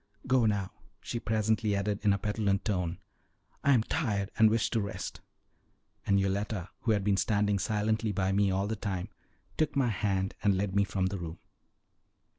"Go now," she presently added in a petulant tone; "I am tired, and wish to rest"; and Yoletta, who had been standing silently by me all the time, took my hand and led me from the room.